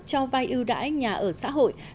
cho vay ưu đãi nhà ở xã hội